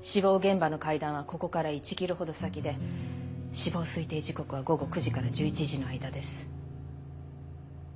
死亡現場の階段はここから１キロほど先で死亡推定時刻は午後９時から１１時の間です。